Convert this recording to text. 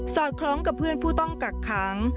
อดคล้องกับเพื่อนผู้ต้องกักขัง